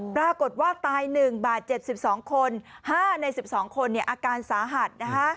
ปรากฏว่าตาย๑บาท๗๒คน๕ใน๑๒คนอาการสาหัส